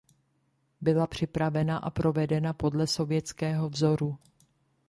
Byla připravena a provedena podle sovětského vzoru.